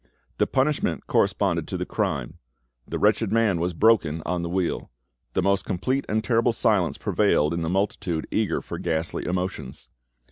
The punishment corresponded to the crime: the wretched man was broken on the wheel. The most complete and terrible silence prevailed in the multitude eager for ghastly emotions.